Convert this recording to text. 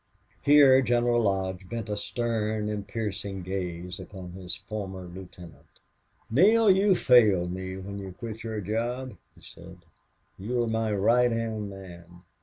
Here General Lodge bent a stern and piercing gaze upon his former lieutenant. "Neale, you failed me when you quit your job," he said. "You were my right hand man.